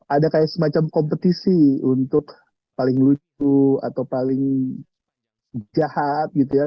ada kayak semacam kompetisi untuk paling lucu atau paling jahat gitu ya